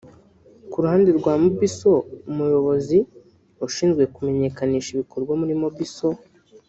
Ku ruhande rwa Mobisol umuyobozi ushizwe kumenyekanisha ibikorwa muri Mobisol